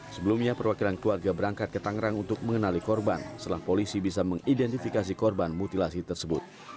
sebelumnya perwakilan keluarga berangkat ke tangerang untuk mengenali korban setelah polisi bisa mengidentifikasi korban mutilasi tersebut